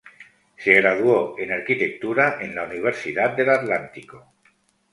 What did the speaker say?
Se graduó en Arquitectura en la Universidad del Atlántico.